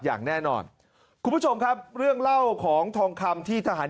อย่างแน่นอนคุณผู้ชมครับเรื่องเล่าของทองคำที่ทหาร